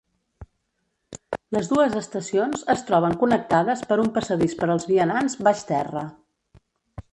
Les dues estacions es troben connectades per un passadís per als vianants baix terra.